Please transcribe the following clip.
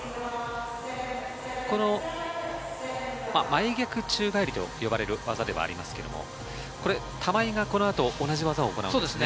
前逆宙返りと呼ばれる技でありますけれども、玉井がこの後、同じ技を行うんですよね。